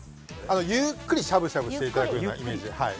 ゆっくりしゃぶしゃぶしていただくようなイメージではい。